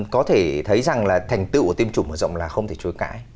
có thể thấy rằng là thành tựu của tiêm chủng mở rộng là không thể chối cãi